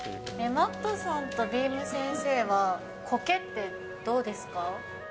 マットさんとびーむ先生は、コケってどうですか？